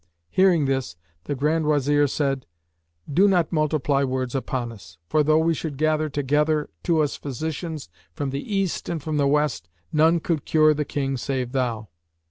Hearing this, the Grand Wazir said, "Do not multiply words upon us; for though we should gather together to us physicians from the East and from the West, none could cure the King save thou."